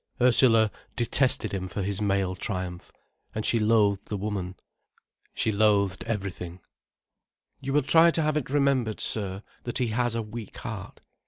Ursula detested him for his male triumph. And she loathed the woman. She loathed everything. "You will try to have it remembered, sir, that he has a weak heart.